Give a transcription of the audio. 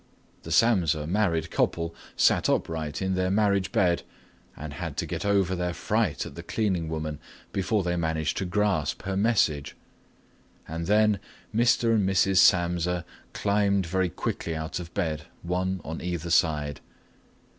The Samsa married couple sat upright in their marriage bed and had to get over their fright at the cleaning woman before they managed to grasp her message. But then Mr. and Mrs. Samsa climbed very quickly out of bed, one on either side.